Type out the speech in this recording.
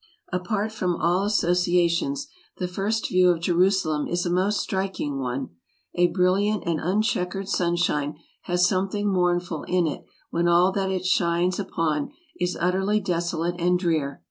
Apart from all associations, the first view of Jerusalem is a most striking one. A brilliant and uncheckered sun shine has something mournful in it when all that it shines upon is utterly desolate and drear.